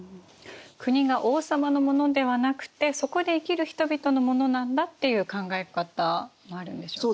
国が王様のものではなくてそこで生きる人々のものなんだっていう考え方もあるんでしょうか？